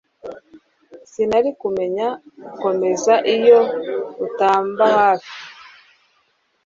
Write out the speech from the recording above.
sinari kumenya gukomeza iyo utambahafis